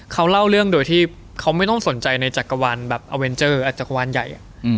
เขาเล่าเรื่องโดยที่เขาไม่ต้องสนใจในจักรวาลแบบอเวนเจอร์จักรวาลใหญ่